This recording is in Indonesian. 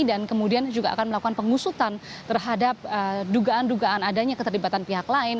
dan kemudian juga akan melakukan pengusutan terhadap dugaan dugaan adanya keterlibatan pihak lain